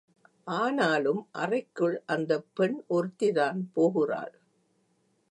ஆனாலும் அறைக்குள் அந்தப் பெண் ஒருத்திதான் போகிறாள்.